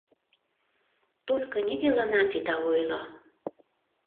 — Только нигӧланат ида ойло.